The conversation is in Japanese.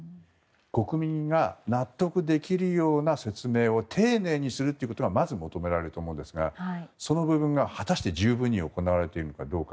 国民が納得できるような説明を丁寧にするということがまず求められると思うんですがその部分が、果たして十分に行われているのかどうか。